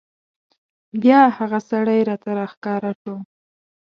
بیا هغه سړی راته راښکاره شو.